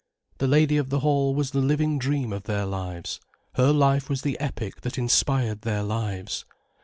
The lady of the Hall was the living dream of their lives, her life was the epic that inspired their lives.